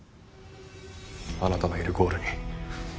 あなたのいるゴールに。